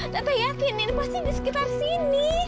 tete yakin ini pasti disekitar sini